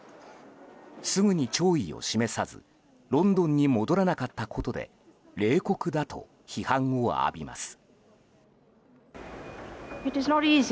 すぐに弔意を示さずロンドンに戻らなかったことで冷酷だと批判を浴びます。